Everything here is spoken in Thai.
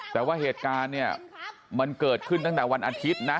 แต่ว่าเหตุการณ์เนี่ยมันเกิดขึ้นตั้งแต่วันอาทิตย์นะ